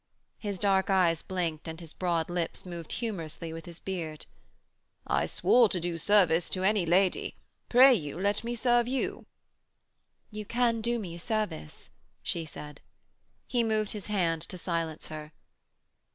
His dark eyes blinked and his broad lips moved humorously with his beard. 'I swore to do service to any lady; pray you let me serve you.' 'You can do me a service,' she said. He moved his hand to silence her.